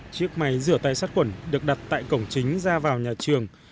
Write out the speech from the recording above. chiếc máy rửa tay sát khuẩn được đặt tại cổng chính ra vào nhà trường